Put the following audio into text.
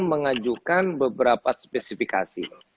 mengajukan beberapa spesifikasi